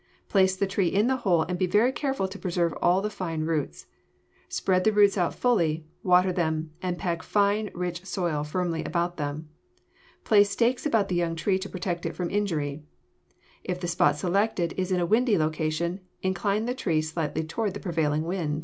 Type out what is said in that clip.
Place the tree in the hole and be very careful to preserve all the fine roots. Spread the roots out fully, water them, and pack fine, rich soil firmly about them. Place stakes about the young tree to protect it from injury. If the spot selected is in a windy location, incline the tree slightly toward the prevailing wind.